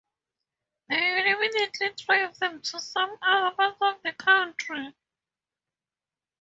They will immediately drive them to some other part of the country.